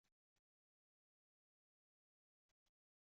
Batta teẓwa ya ɣefwem lxelɛet?